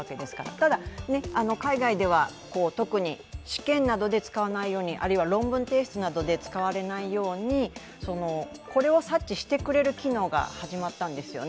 ただ、海外では特に試験などで使わないようにあるいは論文提出などで使われないように、これを察知してくれる機能が始まったんですよね。